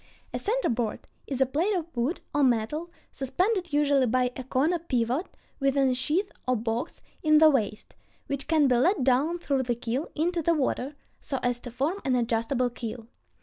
A center board is a plate of wood or metal, suspended, usually by a corner pivot, within a sheath or box in the waist, which can be let down through the keel into the water, so as to form an adjustable keel.